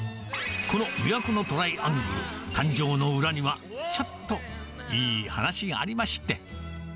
この魅惑のトライアングル、誕生の裏には、ちょっといい話がありまして。